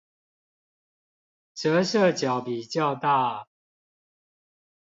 折射角比較大